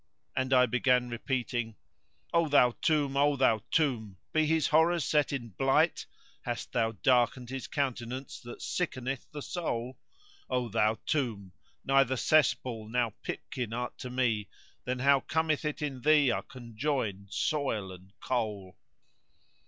and I began repeating:— O thou tomb! O thou tomb! be his horrors set in blight? * Hast thou darkenèd his countenance that sickeneth the soul? O thou tomb! neither cess pool nor pipkin art to me * Then how cometh it in thee are conjoined soil and coal?